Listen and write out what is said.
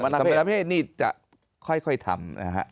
สำมราเพศนี้จะค่อยทำเถอะครับ